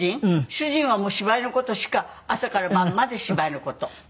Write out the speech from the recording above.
主人は芝居の事しか朝から晩まで芝居の事。